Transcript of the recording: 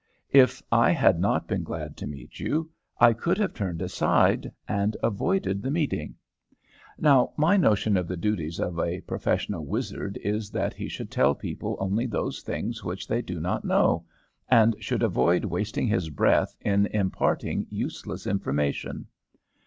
If I had not been glad to meet you, I could have turned aside and avoided the meeting. Now, my notion of the duties of a professional wizard is that he should tell people only those things which they do not know, and should avoid wasting his breath in imparting useless information."